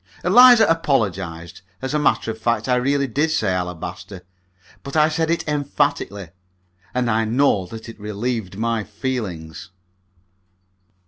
Eliza apologized. As a matter of fact, I really did say alabaster. But I said it emphatically, and I own that it relieved my feelings.